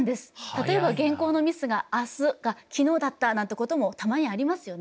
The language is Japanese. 例えば原稿のミスが「明日」が「昨日」だったなんてこともたまにありますよね。